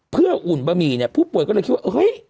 เพื่ออุ่นบะหมี่เนี่ยผู้ป่วยก็เลยคิดว่าเฮ้ย